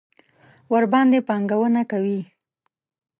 ورباندې پانګونه کوي.